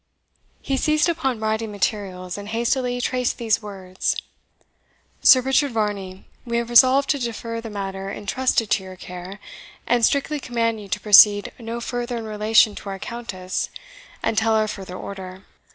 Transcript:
He seized upon writing materials, and hastily traced these words: "Sir Richard Varney, we have resolved to defer the matter entrusted to your care, and strictly command you to proceed no further in relation to our Countess until our further order.